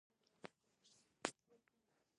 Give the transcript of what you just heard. پاس منزل ته جګېدل په لېفټ کې اسان وي، نظر پلي تګ ته.